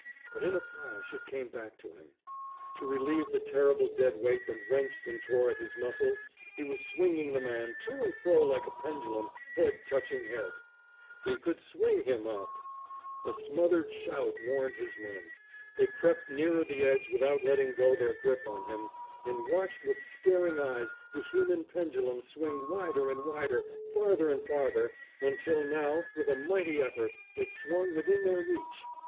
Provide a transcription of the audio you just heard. But in a flash it came back to him. To relieve the terrible dead weight that wrenched and tore at his muscles, he was swinging the man to and fro like a pendulum, head touching head. He could swing him up! A smothered shout warned his men. They crept nearer the edge without letting go their grip on him, and watched with staring eyes the human pendulum swing wider and wider, farther and farther, until now, with a mighty effort, it swung within their reach.